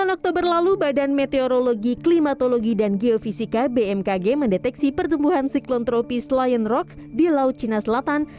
delapan oktober lalu badan meteorologi klimatologi dan geofisika bmkg mendeteksi pertumbuhan siklon tropis lion rock di laut cina selatan